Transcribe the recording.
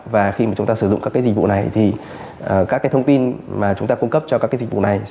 và khi mà chúng ta sử dụng các dịch vụ này thì các thông tin mà chúng ta cung cấp cho các dịch vụ này